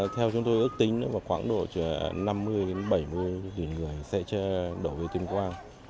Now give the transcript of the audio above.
theo chúng tôi ước tính khoảng độ năm mươi bảy mươi tuyên quang sẽ đổ về tuyên quang